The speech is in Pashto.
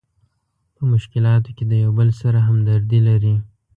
په مشکلاتو کې د یو بل سره همدردي لري.